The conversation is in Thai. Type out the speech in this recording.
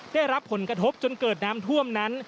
ได้รับผลกระทบจนเกิดน้ำท่วมนั้น